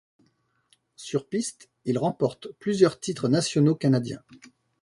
Sur piste, il remporte plusieurs titre nationaux canadiens.